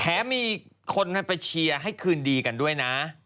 มีคนไปเชียร์ให้คืนดีกันด้วยนะ